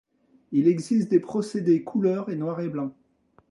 Il existe des procédés couleur et noir et blanc.